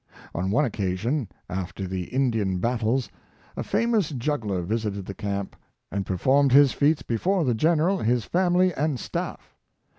On one occasion, after the Indian battles, a famous juggler visit ed the camp and performed his feats before the Gen eral, his family, and staff.